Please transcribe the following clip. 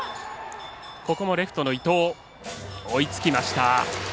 レフトの伊藤追いつきました。